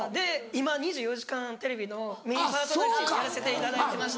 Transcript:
今『２４時間テレビ』のメインパーソナリティーをやらせていただいてまして。